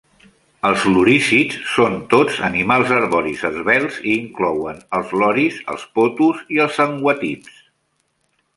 Els lorísids són tots animals arboris esvelts i inclouen els loris, els potos i els anguatibs.